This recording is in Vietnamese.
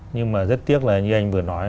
nhưng mà rất tiếc là như anh vừa nói